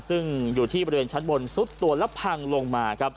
ซึ่งอยู่ที่บริเวณชั้นบนซุดตัวและพังลงมาครับ